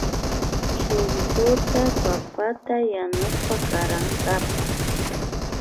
Chuklluta papata yanushpa karankapa